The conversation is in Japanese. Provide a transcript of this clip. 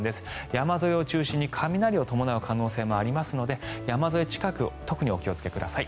山沿いを中心に雷を伴う可能性もありますので山沿い近く特にお気をつけください。